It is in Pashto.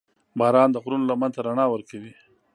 • باران د غرونو لمن ته رڼا ورکوي.